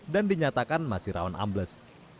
dan dinyatakan masih rawan amplus